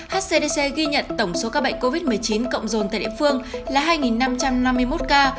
hcdc ghi nhận tổng số ca bệnh covid một mươi chín cộng dồn tại địa phương là hai năm trăm năm mươi một ca